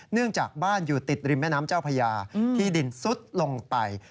เนื่องจากบ้านอยู่ติดริมแม่น้ำเจ้าพญาที่ดินซุดลงไป